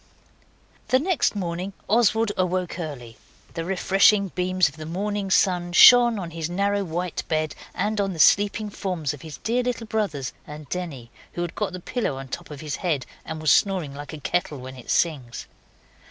The next morning Oswald awoke early. The refreshing beams of the morning sun shone on his narrow white bed and on the sleeping forms of his dear little brothers and Denny, who had got the pillow on top of his head and was snoring like a kettle when it sings.